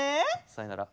さいなら。